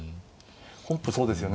本譜そうですよね